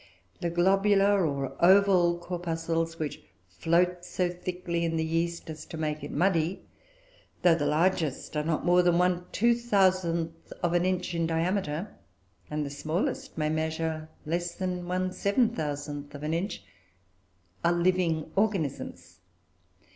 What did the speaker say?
The globular, or oval, corpuscles which float so thickly in the yeast as to make it muddy, though the largest are not more than one two thousandth of an inch in diameter, and the smallest may measure less than one seven thousandth of an inch, are living organisms.